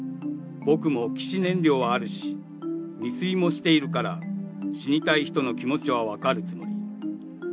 僕も希死念慮はあるし、未遂もしているから、死にたい人の気持ちは分かるつもり。